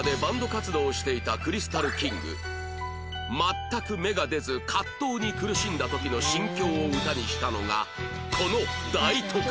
全く芽が出ず葛藤に苦しんだ時の心境を歌にしたのがこの『大都会』